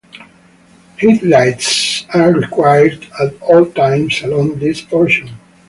Headlights are required at all times along this portion.